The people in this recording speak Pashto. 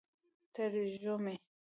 ترژومۍ